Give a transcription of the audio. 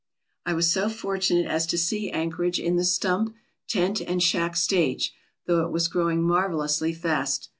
I was so fortunate as to see Anchorage in the stump, tent, and shack stage, though it was growing marvellously fast.